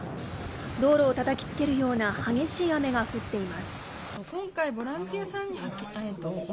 道路を叩きつけるような激しい雨が降っています